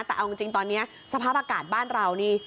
แต่เอาจริงตอนนี้สภาพอากาศบ้านเรานี่